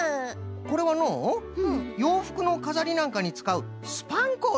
これはのうようふくのかざりなんかにつかうスパンコールじゃ。